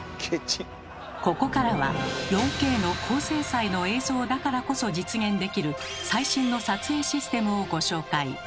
ここからは４Ｋの高精細の映像だからこそ実現できる最新の撮影システムをご紹介。